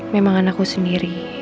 memang anakku sendiri